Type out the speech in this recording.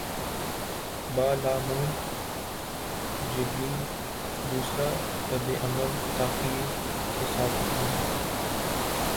بالعموم جبلّی دوسرا رد عمل تاخیر کے ساتھ ہوتا ہے۔